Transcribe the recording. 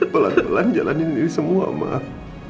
pelan pelan jalanin ini semua mak